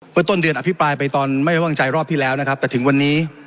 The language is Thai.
ต้นเดือนอภิปรายไปตอนไม่ว่างใจรอบที่แล้วนะครับแต่ถึงวันนี้